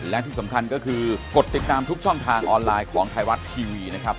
และที่สำคัญก็คือกดติดตามทุกช่องทางออนไลน์ของไทยรัฐทีวีนะครับ